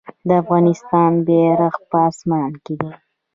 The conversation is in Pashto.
د افغانستان بیرغ په اسمان کې دی